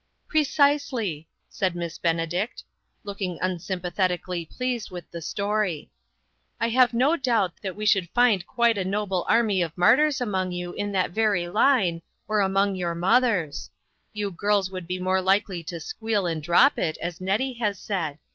"Precisely," said Miss Benedict, looking unsympathetically pleased with the story. " I have no doubt that we should find quite a noble army of martyrs among you in that very line, or among your mothers ; you girls would be more likely to ' squeal and drop it,' as Nettie has said.